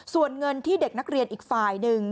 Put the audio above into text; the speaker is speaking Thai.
ส่วนเงินที่เด็กนักเรียนอีกฝ่ายหนึ่ง